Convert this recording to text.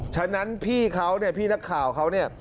ฉะนั้นพี่เขาเนี่ยพี่นักข่าวเขาเนี่ย